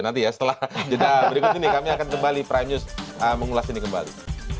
nanti ya setelah jeda berikut ini kami akan kembali prime news mengulas ini kembali